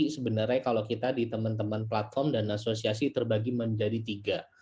sebenarnya kalau kita di teman teman platform dan asosiasi terbagi menjadi tiga